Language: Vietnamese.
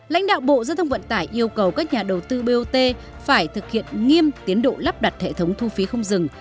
lãnh đạo bộ giao thông vận tải yêu cầu các nhà đầu tư bot phải thực hiện nghiêm tiến độ lắp đặt hệ thống thu phí không dừng